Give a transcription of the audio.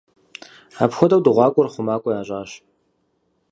Апхуэдэу дыгъуакӏуэр хъумакӏуэ ящӏащ.